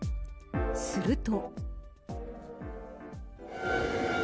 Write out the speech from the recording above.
すると。